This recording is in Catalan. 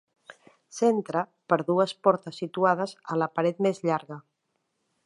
S'entra per dues portes situades a la paret més llarga.